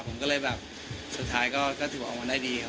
ผมก็เลยแบบสุดท้ายก็ถือว่าออกมาได้ดีครับ